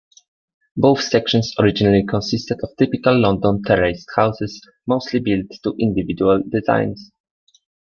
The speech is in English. Both sections originally consisted of typical London terraced houses, mostly built to individual designs.